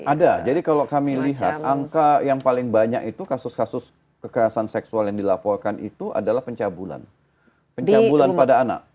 ada jadi kalau kami lihat angka yang paling banyak itu kasus kasus kekerasan seksual yang dilaporkan itu adalah pencabulan pencabulan pada anak